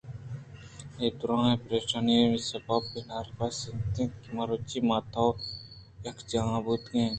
اے دُرٛاہیں پریشانی ءِ سوب بناربس اِنت کہ مروچی من ءُتو یکجاہ بوتگیں